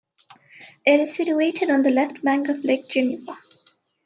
It is situated on the left bank of Lake Geneva.